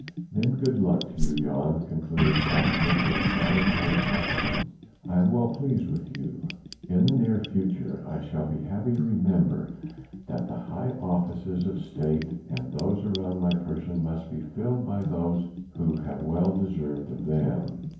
"Then good luck to you, Jan," concluded Stoutenburg with a sigh of satisfaction. "I am well pleased with you. In the near future I shall be happy to remember that the high offices of State and those around my person must be filled by those who have well deserved of them."